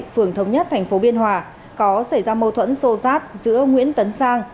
phường thống nhất thành phố biên hòa có xảy ra mâu thuẫn sô rát giữa nguyễn tấn sang